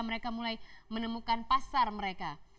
mereka mulai menemukan pasar mereka